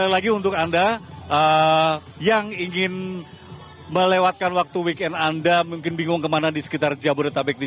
lagi untuk anda yang ingin melewatkan waktu weekend anda mungkin bingung kemana di sekitar jabodetabek di